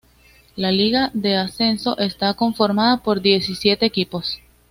La Liga de Ascenso está conformada por diecisiete equipos.